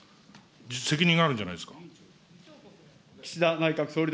責任があるじゃないですか。